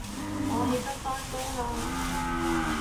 我起身返工喇